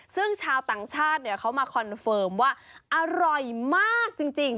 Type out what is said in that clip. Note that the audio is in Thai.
ซึ่งชาวต่างชาติเขามาคอนเฟิร์มว่าอร่อยมากจริง